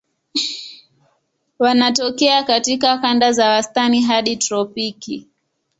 Wanatokea katika kanda za wastani hadi tropiki.